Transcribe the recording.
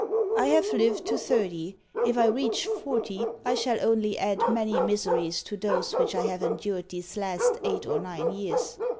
"I have lived to thirty: if I reach forty, I shall only add many miseries to those which I have endured these last eight or nine years.